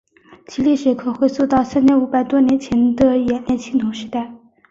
其历史可回溯到三千五百多年前的冶炼青铜时代。